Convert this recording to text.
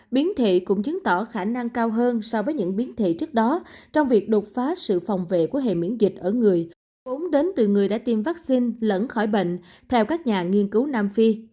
biến thị cũng chứng tỏ khả năng cao hơn so với những biến thể trước đó trong việc đột phá sự phòng vệ của hệ miễn dịch ở người ốm đến từ người đã tiêm vaccine lẫn khỏi bệnh theo các nhà nghiên cứu nam phi